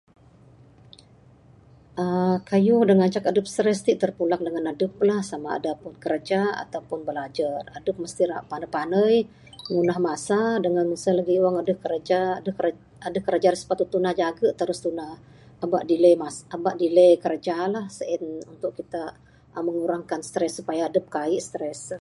Aaa..kayuh da ngancak adup stress tik terpulang dengan adup lah. Sama ada kerja atau pun belajar. Adup mesti ra nak pandai pandai ngundah masa dengan mung sien lagi wang aduh kiraja, aduh kereja da sepatut tundah jagu' terus tundah. Aba delay mas, aba delay kerja lah. Sien untuk kita'k mengurangkan stress supaya adup kai'k stress.